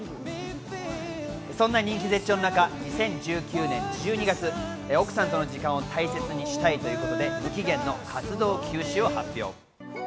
そんな人気絶頂の中、２０１９年１２月奥さんとの時間を大切にしたいということで無期限の活動休止を発表。